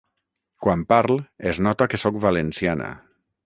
Quan parl, es nota que soc valenciana.